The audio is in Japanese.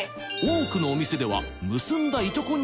多くのお店では結んだ糸